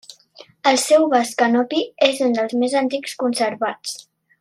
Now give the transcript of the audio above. El seu vas canopi és un dels més antics conservats.